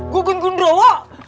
gua gungun rowo